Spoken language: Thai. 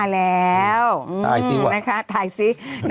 ๕แล้วนะคะถ่ายซินะคะคุณผู้ชมถ่ายซิ